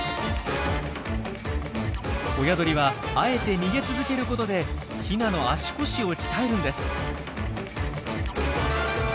親鳥はあえて逃げ続けることでヒナの足腰を鍛えるんです。